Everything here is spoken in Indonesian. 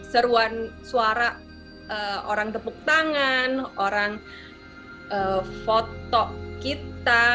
seruan suara orang tepuk tangan orang foto kita